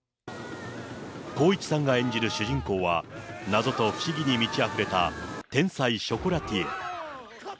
光一さんが演じる主人公は、謎と不思議に満ちあふれた天才ショコラティエ。